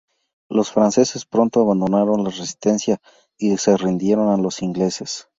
Los franceses pronto abandonaron la resistencia y se rindieron a los ingleses.